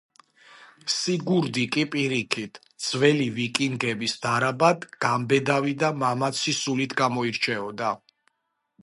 სიგურდი კი პირიქით, ძველი ვიკინგების დარად გამბედავი და მამაცი სულით გამოირჩეოდა.